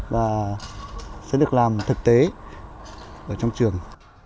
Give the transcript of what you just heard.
và sẽ được làm thực tế ở trong trường